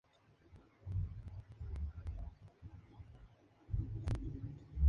Al microscopio óptico no son identificables.